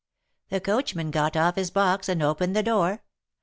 The coachman got off his box and opened the door.